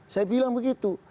saya bilang begitu